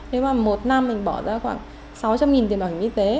nếu mà một năm mình bỏ ra khoảng sáu trăm linh tiền bảo hiểm y tế